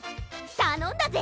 たのんだぜ！